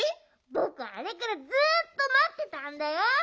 ぼくあれからずっとまってたんだよ。